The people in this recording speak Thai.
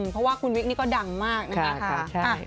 เพราะว่าคุณวิกนี่ก็ดังมากนะคะ